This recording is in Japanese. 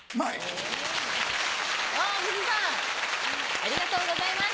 ありがとうございます。